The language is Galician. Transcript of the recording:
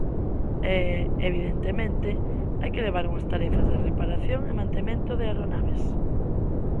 E, evidentemente, hai que levar unhas tarefas de reparación e mantemento de aeronaves.